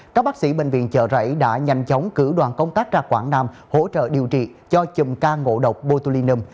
các bác sĩ bệnh viện chợ rẫy đã nhanh chóng cử đoàn công tác ra quảng nam hỗ trợ điều trị cho chùm ca ngộ độc botulinum